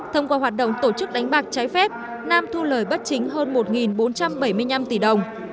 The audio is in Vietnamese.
thông qua hoạt động tổ chức đánh bạc trái phép nam thu lời bất chính hơn một bốn trăm bảy mươi năm tỷ đồng